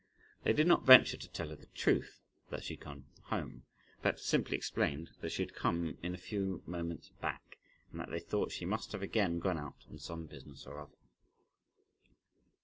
They did not venture to tell her the truth, that she had gone home, but simply explained that she had come in a few moments back, and that they thought she must have again gone out on some business or other.